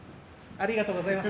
ありがとうございます。